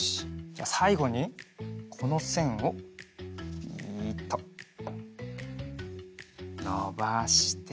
じゃさいごにこのせんをびっとのばして。